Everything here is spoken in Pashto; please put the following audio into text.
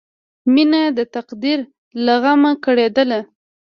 مینه د تقدیر له غمه کړېدله